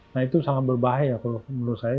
nah itu sangat berbahaya kalau menurut saya